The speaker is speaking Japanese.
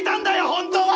本当は！